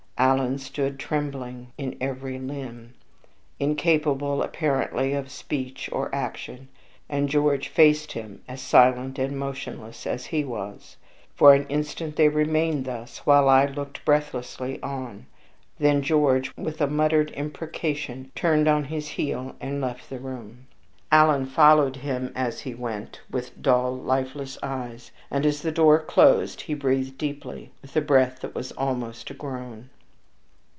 Alan stood trembling in every limb, incapable apparently of speech or action, and George faced him, as silent and motionless as he was. For an instant they remained thus, while I looked breathlessly on. Then George, with a muttered imprecation, turned on his heel and left the room. Alan followed him as he went with dull lifeless eyes; and as the door closed he breathed deeply, with a breath that was almost a groan.